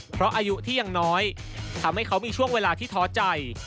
เพราะอายุที่ยังน้อยทำให้เขามีช่วงเวลาที่ท้อใจ